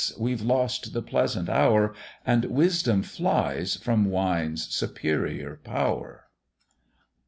we've lost the pleasant hour, And wisdom flies from wine's superior power.